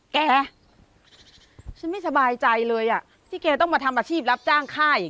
แกฉันไม่สบายใจเลยอ่ะที่แกต้องมาทำอาชีพรับจ้างค่าย